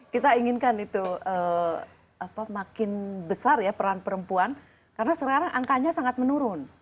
kita inginkan itu makin besar ya peran perempuan karena sekarang angkanya sangat menurun